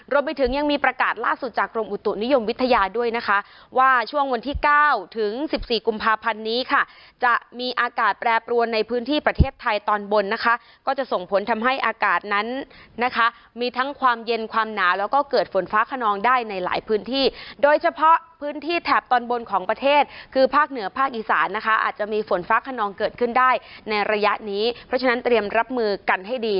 รวมไปถึงยังมีประกาศล่าสุดจากกรมอุตุนิยมวิทยาด้วยนะคะว่าช่วงวันที่๙ถึง๑๔กุมภาพันธ์นี้ค่ะจะมีอากาศแปรปรวนในพื้นที่ประเทศไทยตอนบนนะคะก็จะส่งผลทำให้อากาศนั้นนะคะมีทั้งความเย็นความหนาแล้วก็เกิดฝนฟ้าขนองได้ในหลายพื้นที่โดยเฉพาะพื้นที่แถบตอนบนของประเทศคือภา